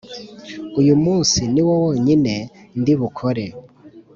uyu munsi niwo wonyine ndibukore.